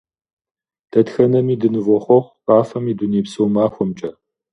Дэтхэнэми дынывохъуэхъу Къафэм и дунейпсо махуэмкӀэ!